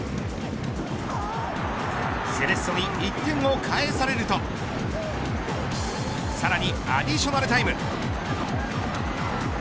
セレッソに１点を返されるとさらにアディショナルタイム。